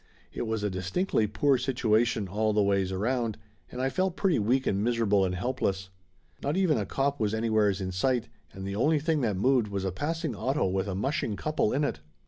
It was a distinctly 1 18 Laughter Limited poor situation all the ways around and I felt pretty weak and miserable and helpless. Not even a cop was anywheres in sight, and the only thing that moved was a passing auto with a mushing couple in it.